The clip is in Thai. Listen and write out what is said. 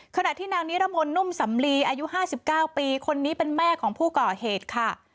ขณะที่นางนิรมนต์นุ่มสำลีอายุ๕๙ปีคนนี้เป็นแม่ของผู้ก่อเหตุค่ะ